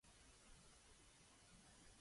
Katterfeld, Jack Carney, and Edward Lindgren.